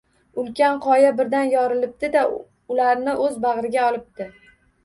Ulkan qoya birdan yorilibdi-da, ularni oʼz bagʼriga olibdi.